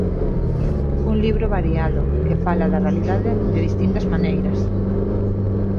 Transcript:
Un libro variado, que fala da realidade de distintas maneiras.